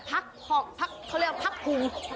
พีดไปนี่เท่าว่าภักษ์ภูมิ